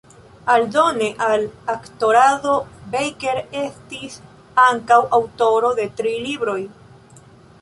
Aldone al aktorado, Baker estis ankaŭ aŭtoro de tri libroj.